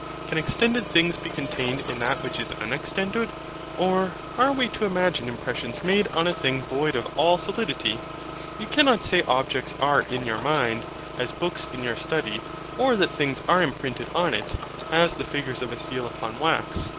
Can extended things be contained in that which is unextended? Or, are we to imagine impressions made on a thing void of all solidity? You cannot say objects are in your mind, as books in your study: or that things are imprinted on it, as the figure of a seal upon wax.